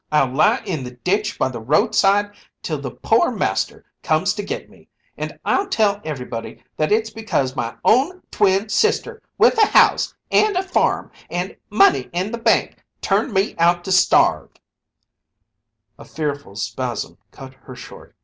I'll lie in the ditch by the roadside till the poor master comes to get me and I'll tell everybody that it's because my own twin sister, with a house and a farm and money in the bank, turned me out to starve " A fearful spasm cut her short.